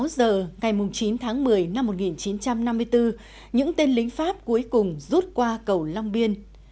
một mươi giờ ngày chín tháng một mươi năm một nghìn chín trăm năm mươi bốn những tên lính pháp cuối cùng rút qua cầu long biên